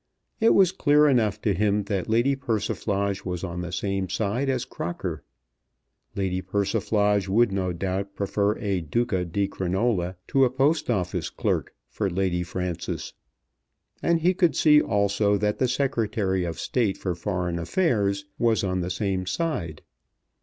It was clear enough to him that Lady Persiflage was on the same side as Crocker. Lady Persiflage would no doubt prefer a Duca di Crinola to a Post Office clerk for Lady Frances. And he could see also that the Secretary of State for Foreign Affairs was on the same side.